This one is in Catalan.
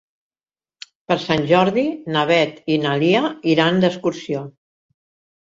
Per Sant Jordi na Beth i na Lia iran d'excursió.